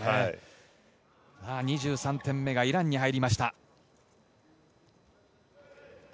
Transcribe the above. ２３点目がイランに入りました。